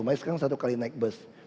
makanya sekarang satu kali naik bus